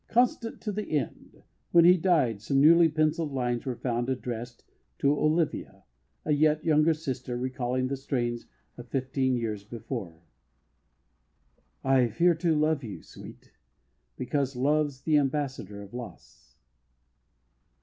Constant to the end, when he died some newly pencilled lines were found, addressed "To Olivia," a yet younger sister, recalling the strains of fifteen years before: I fear to love you, Sweet, because Love's the ambassador of loss.